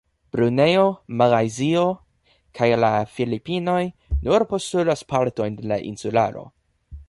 Brunejo, Malajzio kaj la Filipinoj nur postulas partojn de la insularo.